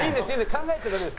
考えちゃダメです」。